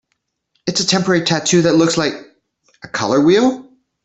It's a temporary tattoo that looks like... a color wheel?